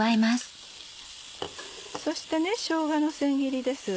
そしてしょうがの千切りです。